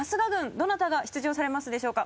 どなたが出場されますでしょうか？